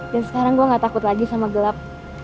sekarang gue gak takut lagi sama gelap